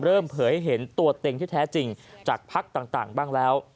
เผยเห็นตัวเต็งที่แท้จริงจากพักต่างบ้างแล้ว